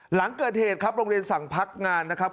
หลังเกิดเหตุครับโรงเรียนสั่งพักงานนะครับ